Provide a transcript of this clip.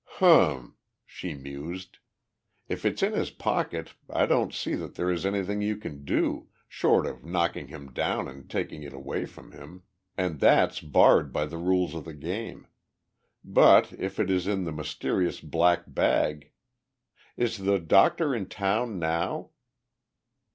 "Hum!" she mused, "if it's in his pocket I don't see that there is anything you can do, short of knocking him down and taking it away from him, and that's barred by the rules of the game. But if it is in the mysterious black bag.... Is the doctor in town now?"